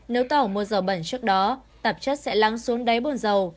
nếu tàu mua dầu bẩn trước đó tạp chất sẽ lăng xuống đáy bồn dầu